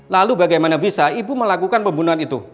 lalu bagaimana bisa ibu melakukan pembunuhan itu